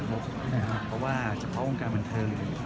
เพราะว่าเฉพาะวงการบันเทิง